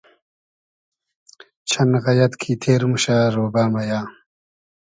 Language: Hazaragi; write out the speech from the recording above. چئن غئیئد کی تیر موشۂ رۉبۂ مئیۂ